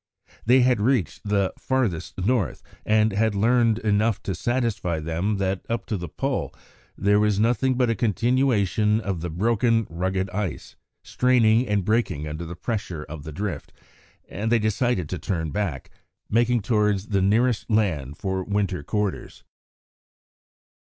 They had reached the "farthest North," and had learned enough to satisfy them that up to the Pole there was nothing but a continuation of the broken, rugged ice, straining and breaking under the pressure of the drift, and they decided to turn back, making towards the nearest land for winter quarters.